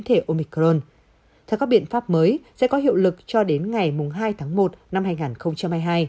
theo omicron theo các biện pháp mới sẽ có hiệu lực cho đến ngày hai tháng một năm hai nghìn hai mươi hai